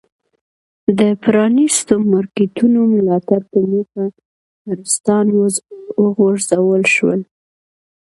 د پ رانیستو مارکېټونو ملاتړ په موخه ټرستان وغورځول شول.